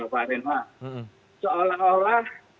pak renwa seolah olah